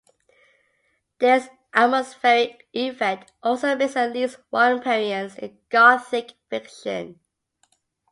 This atmospheric effect also makes at least one appearance in Gothic fiction.